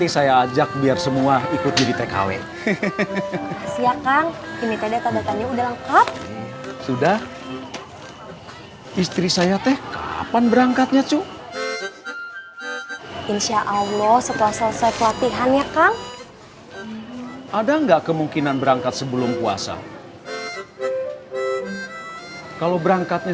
sampai jumpa di video selanjutnya